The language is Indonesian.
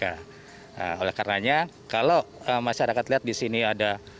nah oleh karenanya kalau masyarakat lihat di sini ada